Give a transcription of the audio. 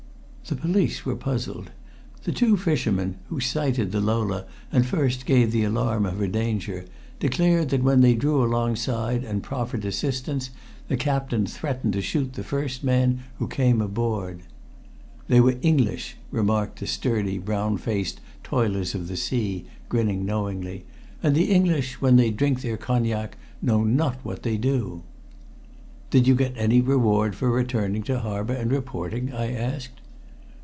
The police were puzzled. The two fishermen who sighted the Lola and first gave the alarm of her danger, declared that when they drew alongside and proffered assistance the captain threatened to shoot the first man who came aboard. "They were English!" remarked the sturdy, brown faced toilers of the sea, grinning knowingly. "And the English, when they drink their cognac, know not what they do." "Did you get any reward for returning to harbor and reporting?" I asked.